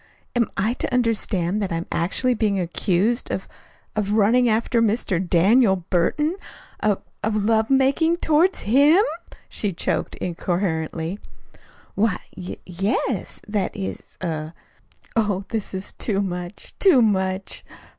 "Am I to understand that I am actually being accused of of running after Mr. Daniel Burton? of of love making toward HIM?" she choked incoherently. "Why, y yes; that is er " "Oh, this is too much, too much!